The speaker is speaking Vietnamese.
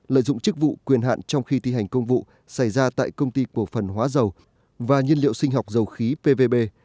lợi dụng chức vụ quyền hạn trong khi thi hành công vụ xảy ra tại công ty cổ phần hóa dầu và nhiên liệu sinh học dầu khí pvb